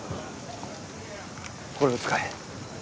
これを使え。